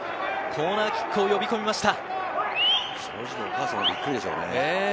コーナーキックを呼び込みました。